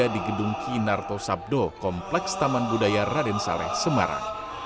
di gedung kinarto sabdo kompleks taman budaya raden saleh semarang